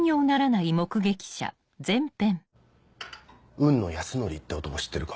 雲野泰典って男知ってるか？